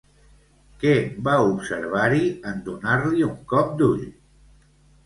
Què va observar-hi en donar-li un cop d'ull?